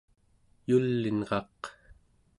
yul'inraq